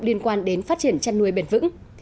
liên quan đến phát triển chăn nuôi bền vững